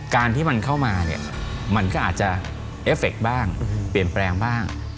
การที่มันเข้ามาเนี่ยมันก็อาจจะเอฟเฟคบ้างเปลี่ยนแปลงบ้าง